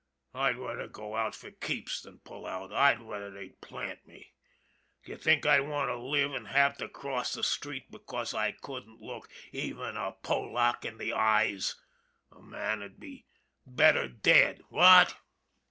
I'd rather go out for keeps than pull out I'd rather they'd plant me. D'ye think I'd want to live an' have to cross the street because I couldn't look even a Polack in the eyes a man would be better dead, what